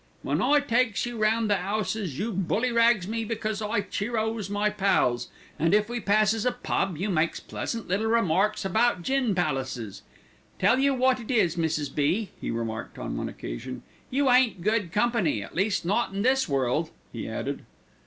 "When I takes you round the 'ouses, you bully rags me because I cheer o's my pals, and if we passes a pub you makes pleasant little remarks about gin palaces. Tell you wot it is, Mrs. B.," he remarked on one occasion, "you ain't good company, at least not in this world," he added.